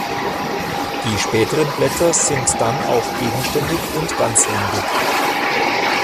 Die späteren Blätter sind dann auch gegenständig und ganzrandig.